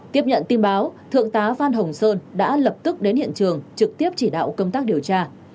tiếp nhận tin báo thượng tá phan hồng sơn đã lập tức đến hiện trường trực tiếp chỉ đạo công tác điều tra